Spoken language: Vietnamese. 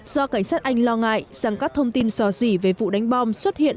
do cảnh sát anh lo ngại rằng các thông tin sò dỉ về vụ đánh bom xuất hiện